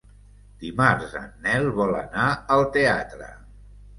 Dimarts en Nel vol anar al teatre.